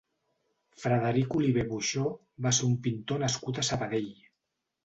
Frederic Oliver Buxó va ser un pintor nascut a Sabadell.